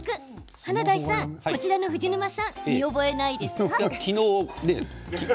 華大さん、こちらの藤沼さん見覚えないですか？